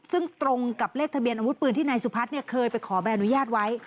ซึ่งตรงกับเลขทะเบียนอาวุธปืนที่นายสุพัฒน์เคยไปขอใบอนุญาตไว้